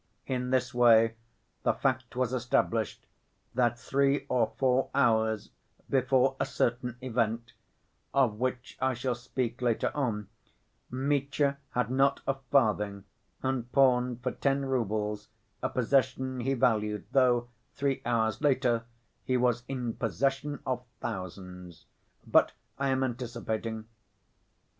In this way the fact was established that three or four hours before a certain event, of which I shall speak later on, Mitya had not a farthing, and pawned for ten roubles a possession he valued, though, three hours later, he was in possession of thousands.... But I am anticipating.